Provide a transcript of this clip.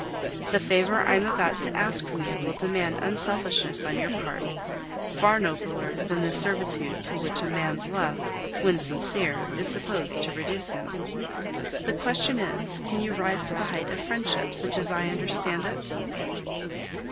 The favor I am about to ask from you will demand unselfishness on your part, far nobler than the servitude to which a man's love, when sincere, is supposed to reduce him. The question is, Can you rise to the height of friendship such as I understand it?